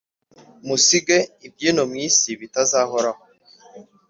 musige iby'ino mw isi bitazahoraho,